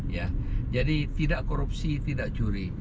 ya jadi tidak korupsi tidak curi